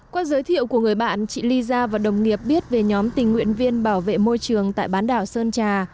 qua giới thiệu của người bạn chị ly gia và đồng nghiệp biết về nhóm tình nguyện viên bảo vệ môi trường tại bán đảo sơn trà